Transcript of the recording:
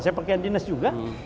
saya pakaian dinas juga